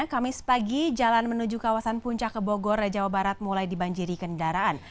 kamis pagi jalan menuju kawasan puncak ke bogor jawa barat mulai dibanjiri kendaraan